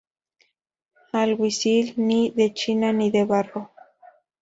Alguacil: Ni de China ni de barro.